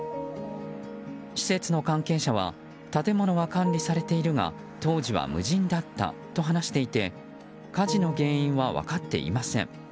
施設の関係者は建物は管理されているが当時は無人だったと話していて火事の原因は分かっていません。